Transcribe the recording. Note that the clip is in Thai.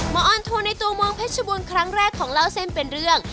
มาออนทูลในตัวมองพัฒนบุญครั้งแรกของเล่าเส้นเป็นเรื่อง